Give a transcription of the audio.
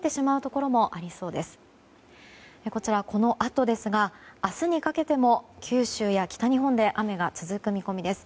こちらはこのあとですが明日にかけても九州や北日本で雨が続く見込みです。